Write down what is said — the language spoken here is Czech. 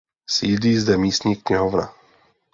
Sídlí zde místní knihovna.